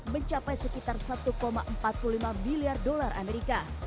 mencapai sekitar satu empat puluh lima miliar dolar amerika